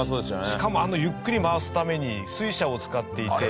しかもゆっくり回すために水車を使っていて。